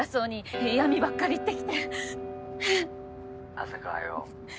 浅川よ。